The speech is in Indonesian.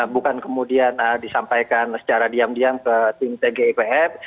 bukan kemudian disampaikan secara diam diam ke tim tgipf